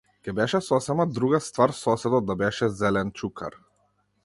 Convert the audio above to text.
Ќе беше сосема друга ствар соседот да беше - зеленчукар.